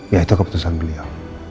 ya itu keputusan beliau